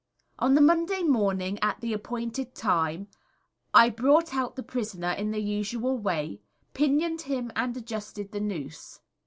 On the Monday morning, at the appointed time, I brought out the prisoner in the usual way, pinioned him and adjusted the noose.